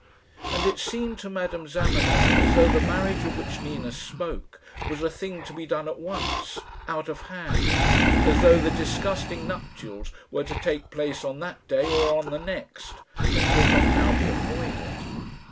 And it seemed to Madame Zamenoy as though the marriage of which Nina spoke was a thing to be done at once, out of hand as though the disgusting nuptials were to take place on that day or on the next, and could not now be avoided.